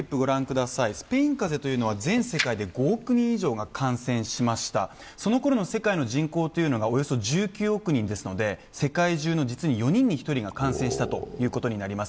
スペイン風邪というのは全世界で５億人以上が感染しましたそのころの世界の人口がおよそ１９億人ですので世界中の実に４人に１人が感染したということになります。